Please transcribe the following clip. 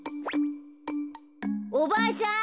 おばあさん